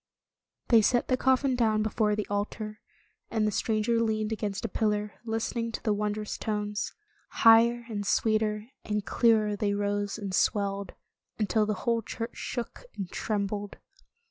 They set the coffin down before the altar, and the stranger leaned 134 Tales of Modern Germany against a pillar, listening to the wondrous tones. Higher and sweeter and clearer they rose and swelled, until the whole church shook and trembled.